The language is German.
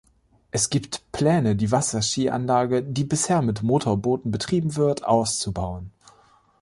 Es gibt Pläne die Wasserskianlage die bisher mit Motorbooten betrieben wird, auszubauen.